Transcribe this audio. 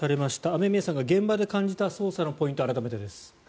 雨宮さんが現場で感じた捜査のポイント、改めてです。